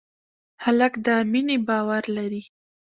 هلک د مینې باور لري.